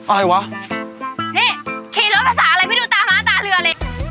อะไรวะนี่ขี่รถภาษาอะไรไม่ดูตาม้าตาเรือเลย